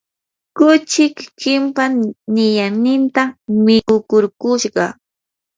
kuchi kikimpa niyanninta mikukurkushqa.